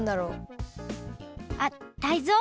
あっタイゾウ？